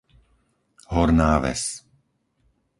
Horná Ves